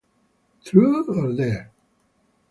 Truth or dare?